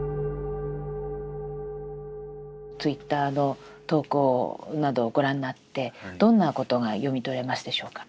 Ｔｗｉｔｔｅｒの投稿などをご覧になってどんなことが読み取れますでしょうか？